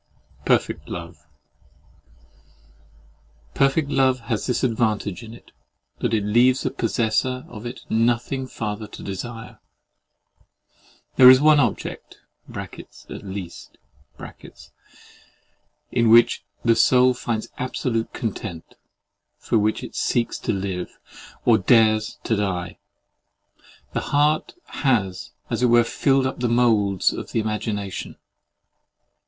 PERFECT LOVE Perfect love has this advantage in it, that it leaves the possessor of it nothing farther to desire. There is one object (at least) in which the soul finds absolute content, for which it seeks to live, or dares to die. The heart has as it were filled up the moulds of the imagination.